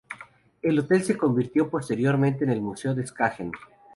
El hotel se convirtió posteriormente en el Museo de Skagen.